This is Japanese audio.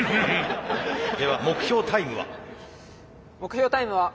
では目標タイムは？